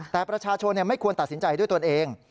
แต่ประชาชนไม่ควรตัดสินใจด้วยตนเอง